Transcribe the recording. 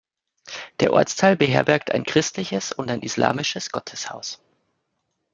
Der Ortsteil beherbergt ein christliches und ein islamisches Gotteshaus.